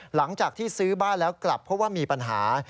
หลังจากที่ซื้อบ้านแล้วกลับเพราะว่ามีปัญหา